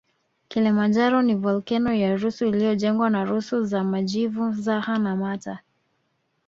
Kilimanjaro ni volkeno ya rusu iliyojengwa na rusu za majivu zaha na mata